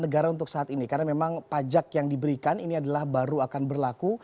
negara untuk saat ini karena memang pajak yang diberikan ini adalah baru akan berlaku